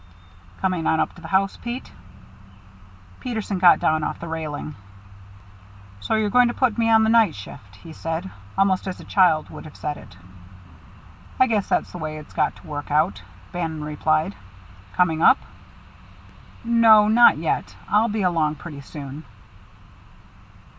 "Coming on up to the house, Pete?" Peterson got down off the railing. "So you're going to put me on the night shift," he said, almost as a child would have said it. "I guess that's the way it's got to work out," Bannon replied. "Coming up?" "No not yet. I'll be along pretty soon."